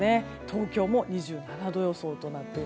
東京も２７度予想です。